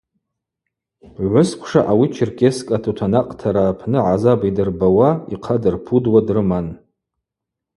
Гӏвысквша ауи Черкесск атутанакътара апны гӏазаб йдырбауа, йхъа дырпудуа дрыман.